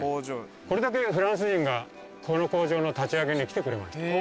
これだけフランス人がこの工場の立ち上げに来てくれました。